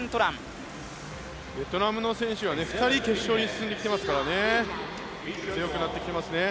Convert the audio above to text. ベトナムの選手は２人決勝に進んできていますから強くなってきていますね。